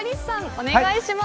お願いします。